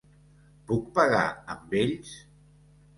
Puc pagar amb ells?